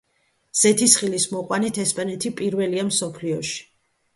ზეთისხილის მოყვანით ესპანეთი პირველია მსოფლიოში.